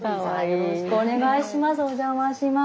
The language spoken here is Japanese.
よろしくお願いします